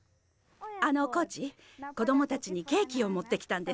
あのコーチ子どもたちにケーキをもってきたんです。